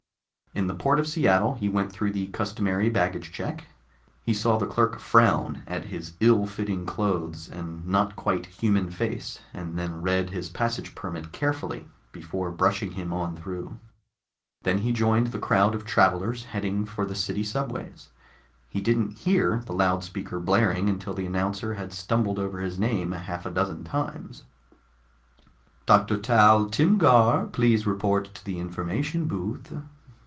In the port of Seattle he went through the customary baggage check. He saw the clerk frown at his ill fitting clothes and not quite human face, and then read his passage permit carefully before brushing him on through. Then he joined the crowd of travelers heading for the city subways. He didn't hear the loudspeaker blaring until the announcer had stumbled over his name half a dozen times. "_Doctor Dal Timgar, please report to the information booth.